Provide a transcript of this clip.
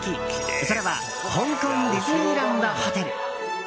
それは香港ディズニーランド・ホテル。